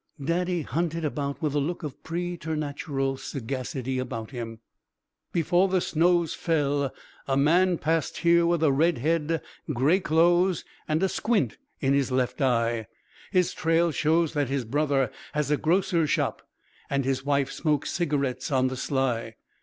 Daddy hunted about with a look of preternatural sagacity about him. "Before the snows fell a man passed here with a red head, grey clothes, and a squint in his left eye. His trail shows that his brother has a grocer's shop and his wife smokes cigarettes on the sly."